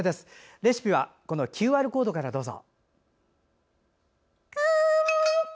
レシピはＱＲコードからどうぞ。